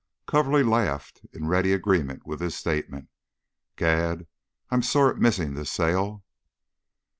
Coverly laughed in ready agreement with this statement. "Gad! I'm sore at missing this sale."